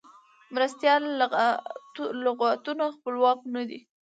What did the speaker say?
مرستیال لغتونه خپلواک نه دي.